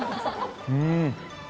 うん！